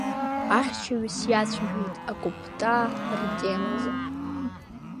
Ахьчаҩы сиацәажәеит акоптаа ртемазы.